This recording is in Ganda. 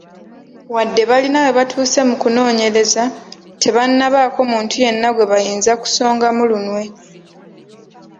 Wadde balina we batuuse mu kunoonyereza, tebannabaako muntu yenna gwe bayinza kusongamu lunwe.